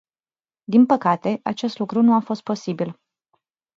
Din păcate, acest lucru nu a fost posibil.